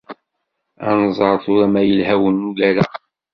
Ad nẓer tura ma yelha wungal-a.